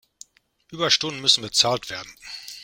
Überstunden müssen bezahlt werden.